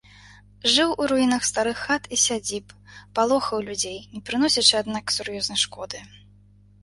Жыў у руінах старых хат і сядзіб, палохаў людзей, не прыносячы, аднак, сур'ёзнай шкоды.